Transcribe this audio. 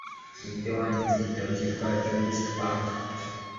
Ninde wanditse igitabo cyitwa Jurassic Park?